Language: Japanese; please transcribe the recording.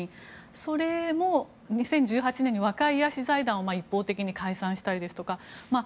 それも、２０１８年に財団を一方的に解散させたりですとか